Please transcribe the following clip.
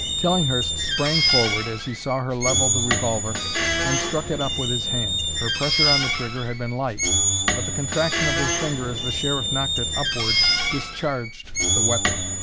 Tillinghurst sprang forward as he saw her level the revolver and struck it up with his hand. Her pressure on the trigger had been light, but the contraction of her finger as the Sheriff knocked it upward discharged the weapon.